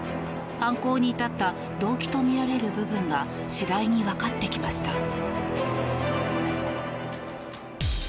犯行に至った動機とみられる部分が次第にわかってきました。